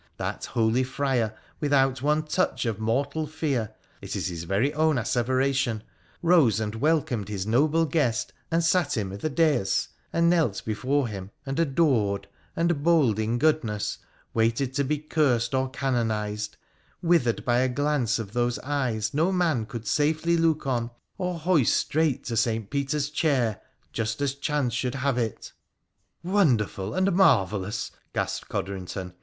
That holy friar, without one touch of mor tal fear — it is his very own asseveration— rose and welcomed his noble guest, and sat him i' the dais, and knelt before him, and adored, and, bold in goodness, waited to be cursed or canonised — withered by a glance of those eyes no man could safely look on, or hoist straight to St. Peter's chair, just aa chance should have it.' PHRA THE PHCENICIAN 189 ' Wonderful and marvellous !' gasped Codrington.